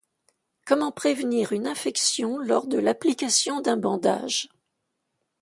Comment prévenir une infection lors de l'application d'un bandage?